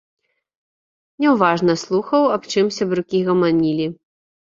Няўважна слухаў, аб чым сябрукі гаманілі.